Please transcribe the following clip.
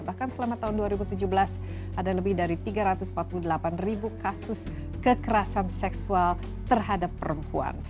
bahkan selama tahun dua ribu tujuh belas ada lebih dari tiga ratus empat puluh delapan ribu kasus kekerasan seksual terhadap perempuan